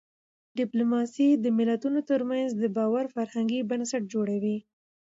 ډيپلوماسي د ملتونو ترمنځ د باور فرهنګي بنسټ جوړوي.